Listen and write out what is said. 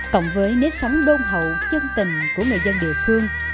cộng với nếp sống đôn hậu chân tình của người dân địa phương